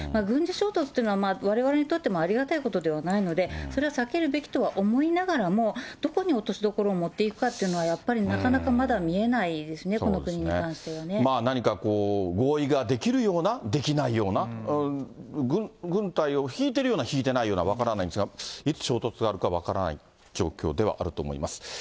軍事衝突というのは、われわれにとってもありがたいことではないので、それは避けるべきとは思いながらも、どこに落としどころを持っていくかというのはやっぱりなかなかまだ見えないですね、この国に関してはね。何かこう、合意ができるような、できないような、軍隊を引いてるような引いてないような、分からないんですが、いつ衝突があるか分からない状況ではあると思います。